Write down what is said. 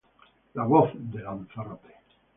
La voz de Lanzarote.